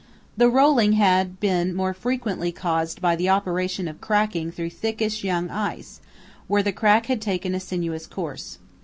The rolling had been more frequently caused by the operation of cracking through thickish young ice, where the crack had taken a sinuous course.